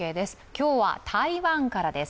今日は台湾からです。